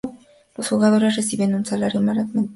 Los jugadores reciben un salario meramente simbólico.